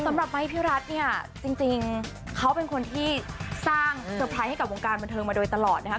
ไมค์พี่รัฐเนี่ยจริงเขาเป็นคนที่สร้างเซอร์ไพรส์ให้กับวงการบันเทิงมาโดยตลอดนะครับ